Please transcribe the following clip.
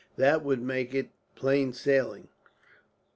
That would make it plain sailing.